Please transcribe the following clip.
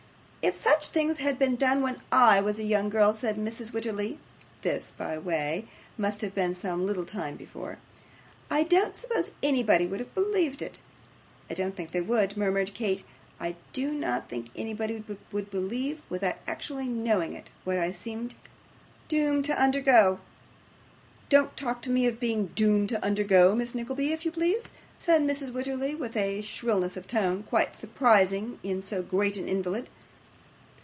'If such things had been done when I was a young girl,' said Mrs Wititterly (this, by the way, must have been some little time before), 'I don't suppose anybody would have believed it.' 'I don't think they would,' murmured Kate. 'I do not think anybody would believe, without actually knowing it, what I seem doomed to undergo!' 'Don't talk to me of being doomed to undergo, Miss Nickleby, if you please,' said Mrs. Wititterly, with a shrillness of tone quite surprising in so great an invalid.